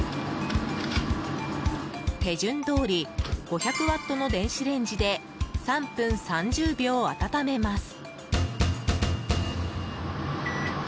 手順どおり５００ワットの電子レンジで３分３０秒、温めます。